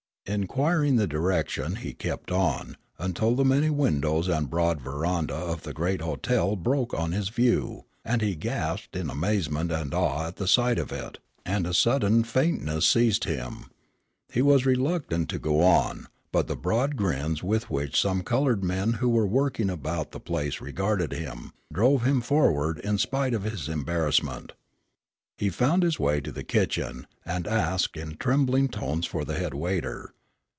Inquiring the direction, he kept on, until the many windows and broad veranda of the great hotel broke on his view, and he gasped in amazement and awe at the sight of it, and a sudden faintness seized him. He was reluctant to go on, but the broad grins with which some colored men who were working about the place regarded him, drove him forward, in spite of his embarrassment. He found his way to the kitchen, and asked in trembling tones for the head waiter.